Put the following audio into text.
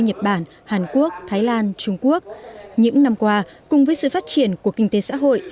nhật bản hàn quốc thái lan trung quốc những năm qua cùng với sự phát triển của kinh tế xã hội